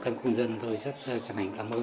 cân khuôn dân thôi rất chẳng hạn cảm ơn